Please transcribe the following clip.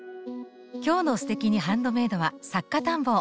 今日の「すてきにハンドメイド」は「作家探訪」。